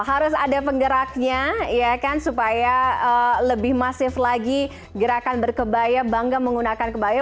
harus ada penggeraknya ya kan supaya lebih masif lagi gerakan berkebaya bangga menggunakan kebaya